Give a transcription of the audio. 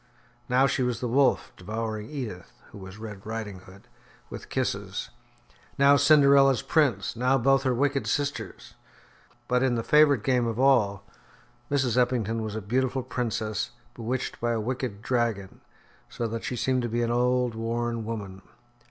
Now she was the wolf, devouring Edith, who was Red Riding Hood, with kisses. Now Cinderella's prince, now both her wicked sisters. But in the favourite game of all, Mrs. Eppington was a beautiful princess, bewitched by a wicked dragon, so that she seemed to be an old, worn woman.